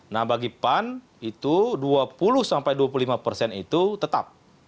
nah bagi pan itu dua puluh sampai dua puluh lima persen itu tetap